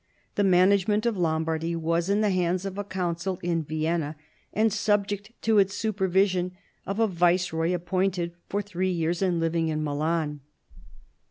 The manage ment of Lombardy was in the hands of a council in Vienna, and, subject to its supervision, of a viceroy appointed for three years and living in Milan.